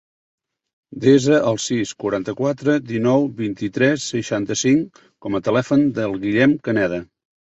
Desa el sis, quaranta-quatre, dinou, vint-i-tres, seixanta-cinc com a telèfon del Guillem Caneda.